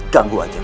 ganggu aja kamu